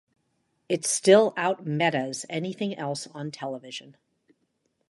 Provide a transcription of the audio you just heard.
It still out-metas anything else on television.